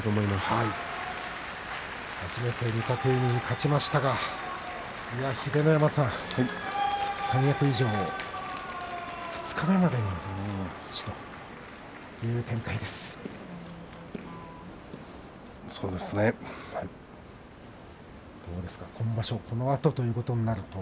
初めて御嶽海に勝ちましたが、秀ノ山さん三役以上が二日目までに土ということになりました。